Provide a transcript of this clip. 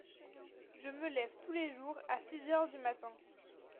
Je me lève tous les jours à six heures du matin.